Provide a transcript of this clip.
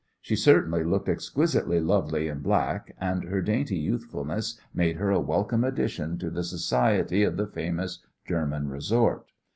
She certainly looked exquisitely lovely in black, and her dainty youthfulness made her a welcome addition to the society of the famous German resort.